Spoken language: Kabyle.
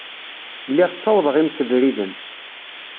Lliɣ ttawḍeɣ imsebriden.